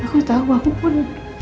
aku tau aku pun